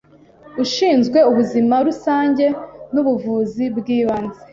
ushinzwe ubuzima rusange n’ubuvuzi bw’ibanze,